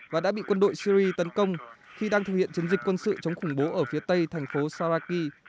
và đã bị quân đội syri tấn công khi đang thực hiện chiến dịch quân sự chống khủng bố ở phía tây thành phố saraki